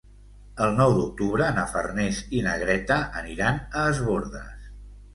El nou d'octubre na Farners i na Greta aniran a Es Bòrdes.